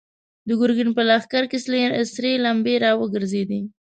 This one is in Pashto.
د ګرګين په لښکر کې سرې لمبې را وګرځېدې.